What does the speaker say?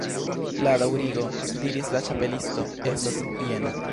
"La daŭrigo," diris la Ĉapelisto, "estas jena.